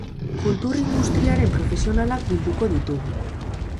Kultur industriaren profesionalak bilduko ditugu.